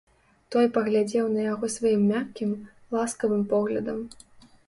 Той паглядзеў на яго сваім мяккім, ласкавым поглядам.